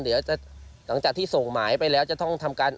เดี๋ยวหลังจากที่ส่งหมายไปแล้วจะต้องทำการ